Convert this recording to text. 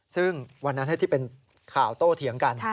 ซึ่งวันนั้นที่เป็นข่าวโตเถียงกัน